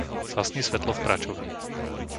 Zhasni svetlo v práčovni.